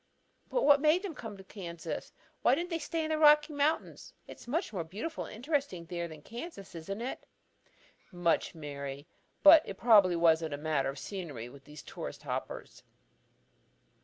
"But what made them come to Kansas? Why didn't they stay in the Rocky Mountains? It's much more beautiful and interesting there than in Kansas, isn't it?" "Much, Mary. But it probably wasn't a matter of scenery with these tourist hoppers.